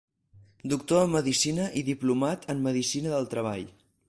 Doctor en Medicina i Diplomat en Medicina del Treball.